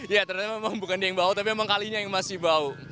ya ternyata memang bukan dia yang bau tapi memang kalinya yang masih bau